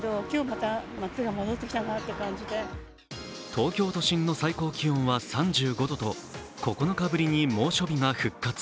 東京都心の最高気温は３５度と、９日ぶりに猛暑日が復活。